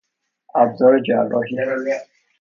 ابزار جراحی